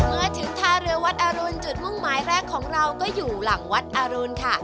เมื่อถึงท่าเรือวัดอรุณจุดมุ่งหมายแรกของเราก็อยู่หลังวัดอรุณค่ะ